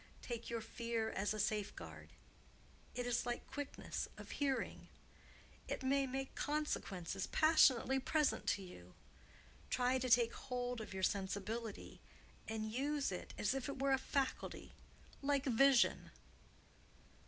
Take your fear as a safeguard. It is like quickness of hearing. It may make consequences passionately present to you. Try to take hold of your sensibility, and use it as if it were a faculty, like vision."